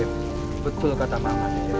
dev betul kata mama